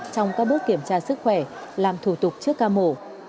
trong các bước kiểm tra sức khỏe làm thủ tục trước ca mổ